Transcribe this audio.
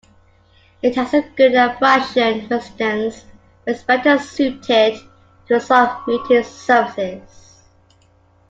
It has a good abrasion resistance but is better suited to soft mating surfaces.